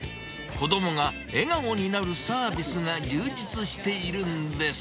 子どもが笑顔になるサービスが充実しているんです。